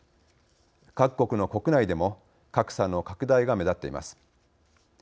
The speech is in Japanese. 各国の国内でも格差の拡大が目立っています。